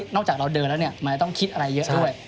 จากเราเดินแล้วมันจะต้องคิดอะไรเยอะด้วย